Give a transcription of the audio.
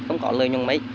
không có lợi nhuận mấy